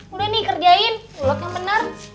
udah nih kerjain ulek yang bener